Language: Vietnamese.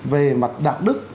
về mặt đạo đức